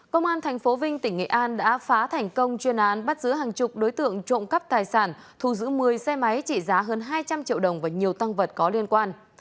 công an tp vinh tỉnh nghệ an đã phá thành công chuyên án bắt giữ hàng chục đối tượng trộm cắp tài sản thu giữ một mươi xe máy trị giá hơn hai trăm linh triệu đồng và nhiều tăng vật có liên quan